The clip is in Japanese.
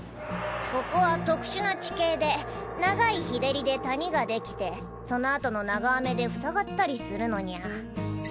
ここは特殊な地形で長い日照りで谷が出来てそのあとの長雨で塞がったりするのニャ。